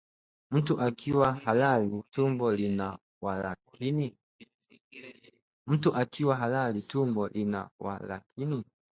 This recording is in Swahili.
Mtu akiwa halali, tumbo lina walakini